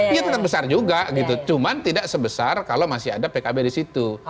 iya tetap besar juga gitu cuman tidak sebesar kalau masih ada pkb di situ